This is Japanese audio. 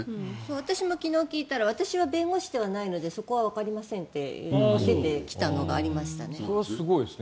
私も昨日聞いたら私は弁護士ではないのでそこはわかりませんって出てきたのがありましたね。